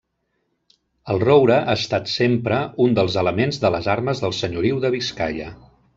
El roure ha estat sempre un dels elements de les armes del Senyoriu de Biscaia.